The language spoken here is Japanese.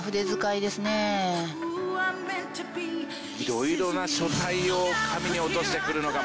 いろいろな書体を紙に落として来るのが